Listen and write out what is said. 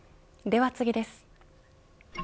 では次です。